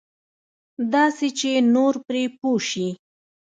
داسې چې نور پرې پوه شي.